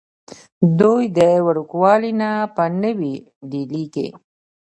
دوي د وړوکوالي نه پۀ نوي ډيلي کښې